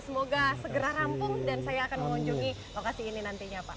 semoga segera rampung dan saya akan mengunjungi lokasi ini nantinya pak